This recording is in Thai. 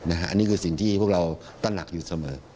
อันนี้คือสิ่งที่พวกเราตระหนักอยู่เสมอ